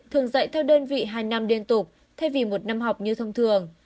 thường dạy theo đơn vị hai năm liên tục thay vì một năm học như thông thường